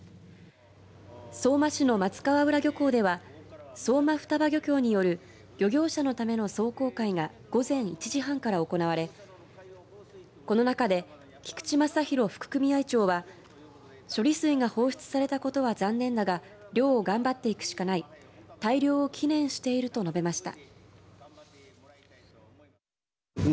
相馬市の松川浦漁港では相馬双葉漁協による漁業者のための壮行会が午前１時半から行われこの中で菊地昌博副組合長は処理水が放出されたことは残念だが漁を頑張っていくしかない大漁を祈念していると述べました。